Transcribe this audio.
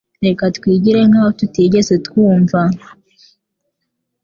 Reka twigire nkaho tutigeze twumva